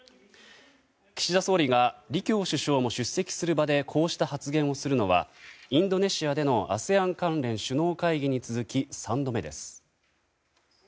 岸田総理が李強首相も出席する場でこうした発言をするのはインドネシアでのＡＳＥＡＮ関連首脳会議に続き３度目です。